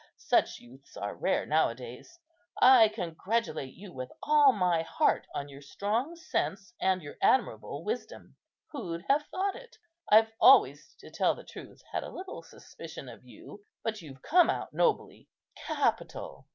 Such youths are rare now a days. I congratulate you with all my heart on your strong sense and your admirable wisdom. Who'd have thought it? I've always, to tell the truth, had a little suspicion of you; but you've come out nobly. Capital!